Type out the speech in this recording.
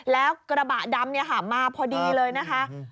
แล้วกระบะดำมาพอดีเลยนะคะ